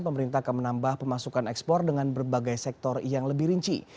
pemerintah akan menambah pemasukan ekspor dengan berbagai sektor yang lebih rinci